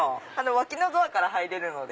脇のドアから入れるので。